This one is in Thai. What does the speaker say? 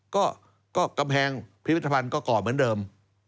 ก็กำแพงพิพิธภัณฑ์ก็ก่อเหมือนเดิม